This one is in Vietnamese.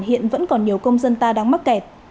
hiện vẫn còn nhiều công dân ta đang mắc kẹt